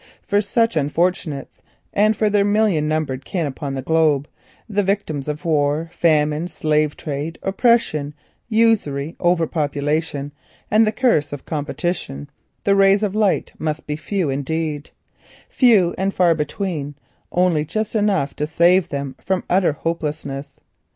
For such unfortunates, and for their million numbered kin upon the globe—the victims of war, famine, slave trade, oppression, usury, over population, and the curse of competition, the rays of light must be few indeed; few and far between, only just enough to save them from utter hopelessness.